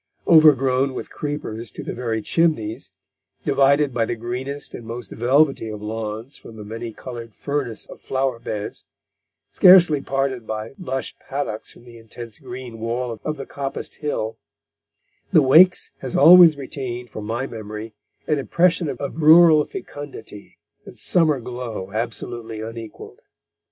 Overgrown with creepers to the very chimneys, divided by the greenest and most velvety of lawns from a many coloured furnace of flower beds, scarcely parted by lush paddocks from the intense green wall of the coppiced hill, the Wakes has always retained for my memory an impression of rural fecundity and summer glow absolutely unequalled.